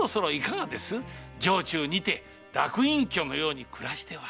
城中にて楽隠居のように暮らしては。